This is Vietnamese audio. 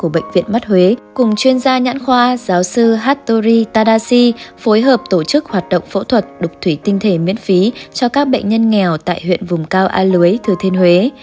bệnh viện mắt huế cùng chuyên gia nhãn khoa giáo sư hattory tadashi phối hợp tổ chức hoạt động phẫu thuật đục thủy tinh thể miễn phí cho các bệnh nhân nghèo tại huyện vùng cao a lưới thừa thiên huế